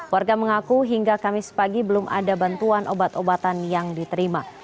warga mengaku hingga kamis pagi belum ada bantuan obat obatan yang diterima